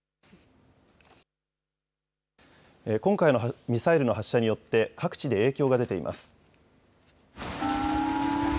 今回のミサイルの発射によって、各地で影響が出ています。